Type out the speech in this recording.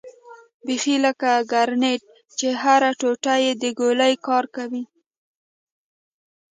بيخي لکه ګرنېټ چې هره ټوټه يې د ګولۍ کار کوي.